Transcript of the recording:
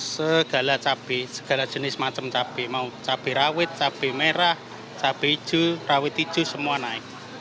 segala cabai segala jenis macam cabai mau cabai rawit cabai merah cabai jurawit hijau semua naik